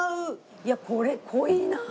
いやこれ濃いなあ。